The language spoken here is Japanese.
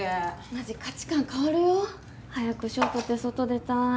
マジ価値観変わるよ。早く賞取って外出たい。